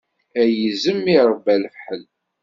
A yizem i iṛebba lefḥel!